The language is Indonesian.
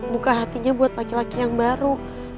buka hatinya buat laki laki yang baru